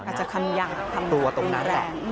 อาจจะคำยั่งคำตัวตรงนั้น